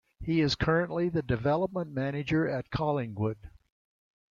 He is currently the development manager at Collingwood.